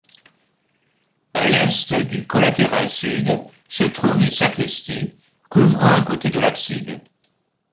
À l'est du collatéral sud se trouve une sacristie couvrant un côté de l'abside.